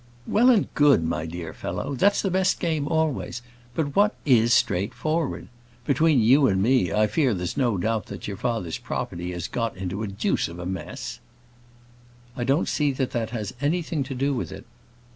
"Well and good, my dear fellow. That's the best game always. But what is straightforward? Between you and me, I fear there's no doubt that your father's property has got into a deuce of a mess." "I don't see that that has anything to do with it."